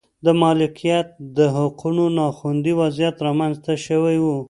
د مالکیت د حقونو نا خوندي وضعیت رامنځته شوی و.